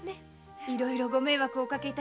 いろいろご迷惑をかけて。